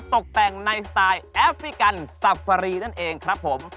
ตกแต่งในสไตล์แอฟริกันซับฟารีนั่นเองครับผม